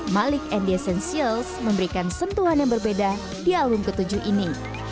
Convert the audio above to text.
malik and the essentials memberikan sentuhan yang berbeda di album ketujuh ini